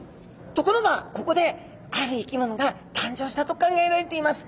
ところがここである生き物が誕生したと考えられています。